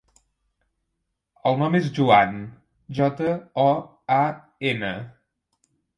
El nom és Joan: jota, o, a, ena.